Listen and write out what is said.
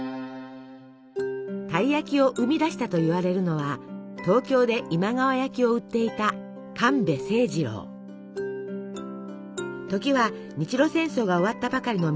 たい焼きを生み出したといわれるのは東京で今川焼きを売っていた時は日露戦争が終わったばかりの明治時代。